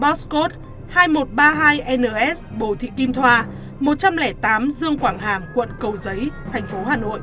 bosch code hai nghìn một trăm ba mươi hai ns bồ thị kim thoa một trăm linh tám dương quảng hàm quận cầu giấy thành phố hà nội